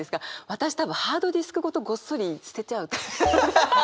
私多分ハードディスクごとごっそり捨てちゃう。